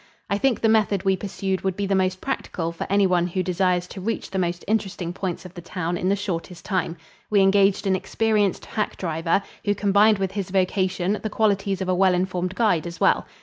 I think the method we pursued would be the most practical for anyone who desires to reach the most interesting points of the town in the shortest time. We engaged an experienced hack driver, who combined with his vocation the qualities of a well informed guide as well.